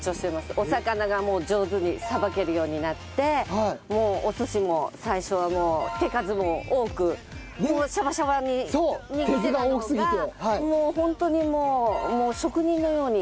お魚が上手にさばけるようになってお寿司も最初は手数も多くシャバシャバに握ってたのがもうホントに職人のように成長。